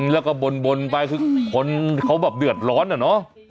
แล้วก็บนไปคือคนเขาแบบเดือดร้อนอะเนาะ